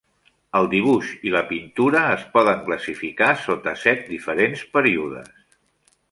El dibuix i la pintura es poden classificar sota set diferents períodes.